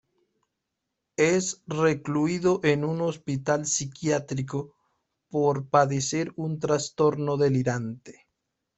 Es recluido en un hospital psiquiátrico por padecer un trastorno delirante.